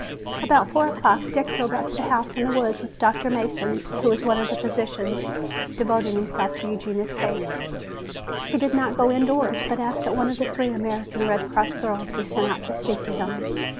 About four o'clock Dick drove out to the house in the woods with Dr. Mason, who was one of the physicians devoting himself to Eugenia's case. He did not go indoors, but asked that one of the three American Red Cross girls be sent out to speak to him.